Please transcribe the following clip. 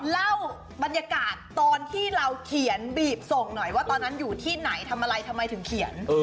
เล่าบรรยากาศตอนที่เราเขียนบีบส่งหน่อยว่าตอนนั้นอยู่ที่ไหนทำอะไรทำไมถึงเขียน